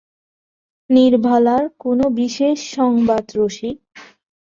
নীরবালার কোনো বিশেষ সংবাদ– রসিক।